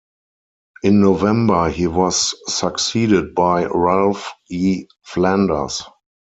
In November he was succeeded by Ralph E. Flanders.